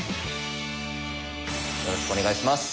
よろしくお願いします。